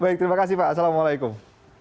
baik terima kasih pak assalamualaikum